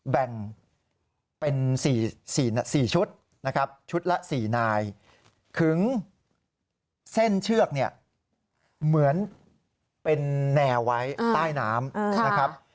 แบ่งเป็น๔ชุดนะครับชุดละ๔นายขึงเส้นเชือกเนี่ยเหมือนเป็นแนวไว้ใต้น้ำนะครับ